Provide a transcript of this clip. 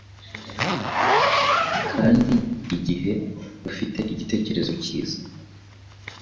kandi igihe bufite icyerekezo cyiza,